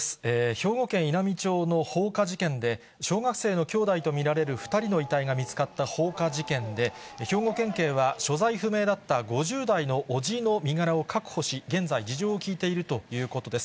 兵庫県稲美町の放火事件で、小学生の兄弟と見られる２人の遺体が見つかった放火事件で、兵庫県警は所在不明だった５０代の伯父の身柄を確保し、現在、事情を聴いているということです。